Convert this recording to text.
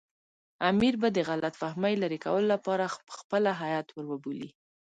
امیر به د غلط فهمۍ لرې کولو لپاره پخپله هیات ور وبولي.